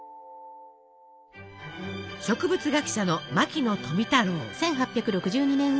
植物学者の牧野富太郎。